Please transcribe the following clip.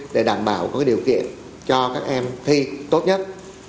để đảm bảo các điều kiện cho các em thi tốt nhất